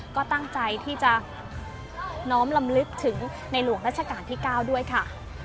ก็ตั้งใจที่จะน้อมลำลึกถึงในหลวงรัชกาลที่๙ด้วยค่ะ